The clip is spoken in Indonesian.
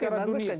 oke bagus kan